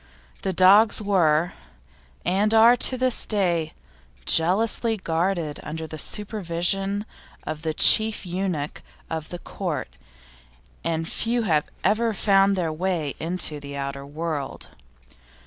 The dogs were, and are to this day, jealously guarded under the supervision of the Chief Eunuch of the Court, and few have ever found their way into the outer world.